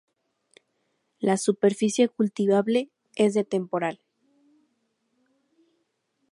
La superficie cultivable es de temporal.